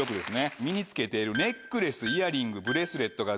身に着けているネックレスイヤリングブレスレットが。